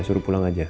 suruh pulang aja